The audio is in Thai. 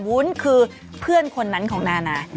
วุ้นคือเพื่อนคนนั้นของนานา